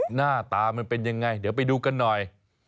หน้าตามันเป็นยังไงเดี๋ยวไปดูกันหน่อย